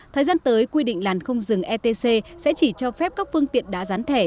thời gian tới quy định làn không dừng etc sẽ chỉ cho phép các phương tiện đã gián thẻ